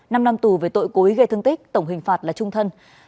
năm năm tù về tội cố ý gây thương tích tổng hình phạt là trung thân